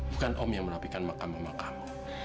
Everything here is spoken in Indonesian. bukan om yang merapikan makam makammu